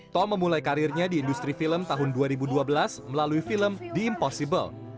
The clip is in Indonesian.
tom memulai karirnya di industri film tahun dua ribu dua belas melalui film the impossible